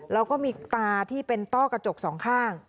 แล้วก็มีตาที่เป็นต้อกระจกสองข้าง